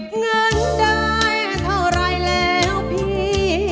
เงินได้เท่าไรแล้วพี่